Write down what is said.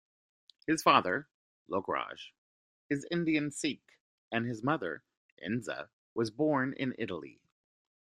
His father, Lokraj, is Indian Sikh and his mother, Enza, was born in Italy.